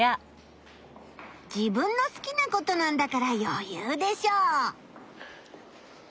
自分の好きなことなんだからよゆうでしょう。